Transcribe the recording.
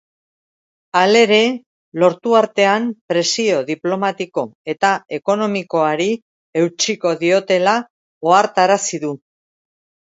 Halere, lortu artean presio diplomatiko eta ekonomikoari eutsiko diotela ohartarazi du.